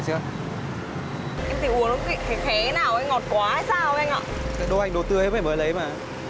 cái đồ anh đồ tươi mới lấy mà